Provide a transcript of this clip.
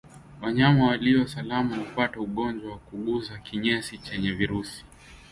Wanyama walio salama hupata ugonjwa kwa kugusa kinyesi chenye virusi